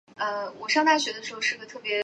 这时候天气放晴